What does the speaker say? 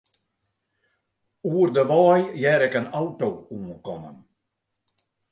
Oer de wei hear ik in auto oankommen.